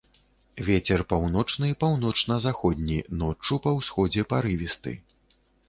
Вецер паўночны, паўночна-заходні, ноччу па ўсходзе парывісты.